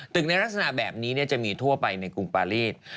ในลักษณะแบบนี้จะมีทั่วไปในกรุงปารีส